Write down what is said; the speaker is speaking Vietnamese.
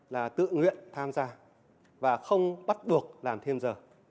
là tự nguyện tham gia và không bắt buộc làm thêm giờ